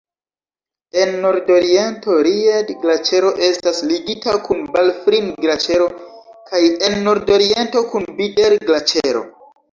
En nordoriento Ried-Glaĉero Estas ligita kun Balfrin-Glaĉero kaj en nordoriento kun Bider-Glaĉero.